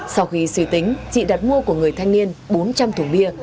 sau khi suy tính chị đặt mua của người thanh niên bốn trăm linh thùng bia